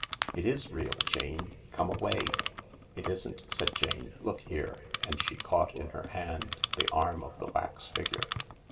It is real, Jane— come away !"" It isn't," said Jane, " look here !" and she caught in her hand the arm of the wax figure.